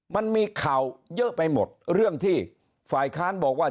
มันมีข่าวเยอะไปหมดเรื่องที่ฝ่ายค้านบอกว่า